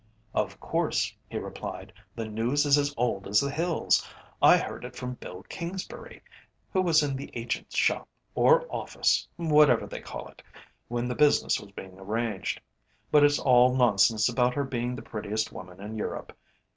"Of course," he replied; "the news is as old as the hills. I heard it from Bill Kingsbury, who was in the agent's shop, or office whatever they call it when the business was being arranged. But it's all nonsense about her being the prettiest woman in Europe.